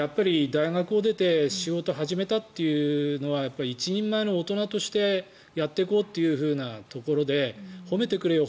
大学を出て仕事を始めたというのは一人前の大人としてやっていこうというところで褒めてくれよ